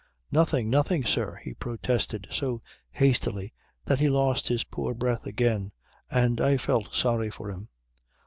"Nothing! Nothing, sir," he protested so hastily that he lost his poor breath again and I felt sorry for him.